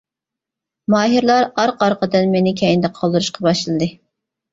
ماھىرلار ئارقا-ئارقىدىن مېنى كەينىدە قالدۇرۇشقا باشلىدى.